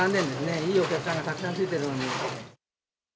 いいお客さんがたくさんついてるのに。